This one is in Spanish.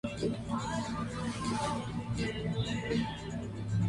Jack Larson interpretó al personaje del programa de televisión "Aventuras de Superman".